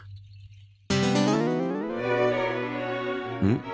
ん？